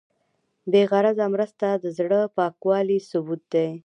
بېغرضه مرسته د زړه پاکوالي ثبوت دی.